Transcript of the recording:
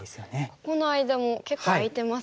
ここの間も結構空いてますもんね。